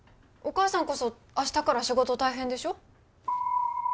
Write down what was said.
お母さんこそ明日から仕事大変でしょう？